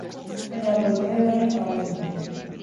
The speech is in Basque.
Baina web gune berria zabaldu dute.